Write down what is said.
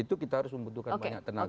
itu kita harus membutuhkan banyak tenaga